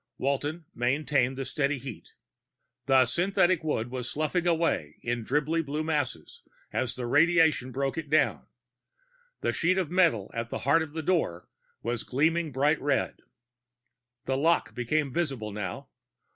Walton maintained the steady heat. The synthetic wood was sloughing away in dribbly blue masses as the radiation broke it down; the sheet of metal in the heart of the door was gleaming bright red. The lock became visible now.